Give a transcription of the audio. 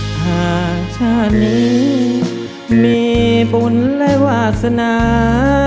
หากช่านี้มีบุญและวาสนา